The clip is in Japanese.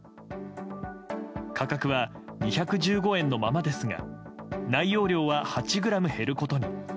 価格は２１５円のままですが内容量は８ｇ減ることに。